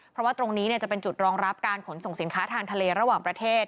เพราะว่าตรงนี้จะเป็นจุดรองรับการขนส่งสินค้าทางทะเลระหว่างประเทศ